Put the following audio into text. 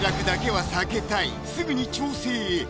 すぐに調整へ